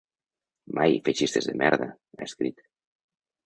Mai, feixistes de merda, ha escrit.